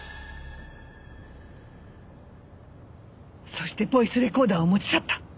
そしてボイスレコーダーを持ち去った。